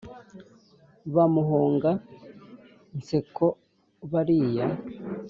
Ba muhonga-nseko bariya